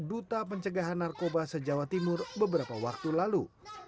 duta pencegahan narkoba sejawa timur beberapa waktu lalu